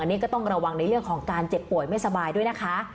อันนี้ก็ต้องระวังในเรื่องของการเจ็บป่วยไม่สบายด้วยนะคะ